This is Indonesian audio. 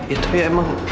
itu ya emang